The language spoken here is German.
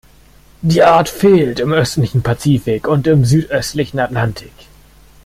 Die Art fehlt im östlichen Pazifik und im südöstlichen Atlantik.